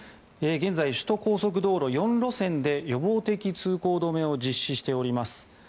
現在、首都高速道路４路線で予防的通行止めを実施しております。